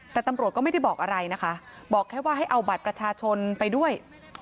แต่ตำรวจก็ไม่ได้บอกอะไรนะคะบอกแค่ว่าให้เอาบัตรประชาชนไปด้วย